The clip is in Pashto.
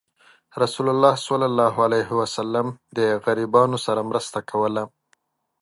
رسول الله صلى الله عليه وسلم د غریبانو سره مرسته کوله.